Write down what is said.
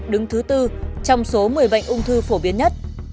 đứng thứ tư trong số một mươi bệnh ung thư phổ biến nhất